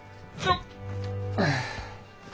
ああ。